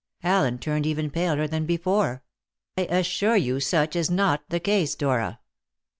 Allen turned even paler than before. "I assure you such is not the case, Dora."